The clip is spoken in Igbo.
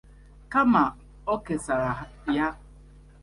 kama o kesara ya.